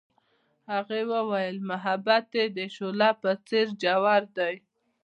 هغې وویل محبت یې د شعله په څېر ژور دی.